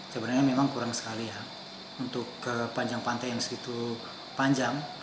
sebenarnya memang kurang sekali ya untuk ke panjang pantai yang segitu panjang